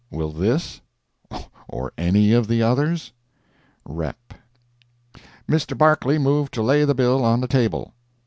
Will this, or any of the others?—REP.] Mr. Barclay moved to lay the bill on the table.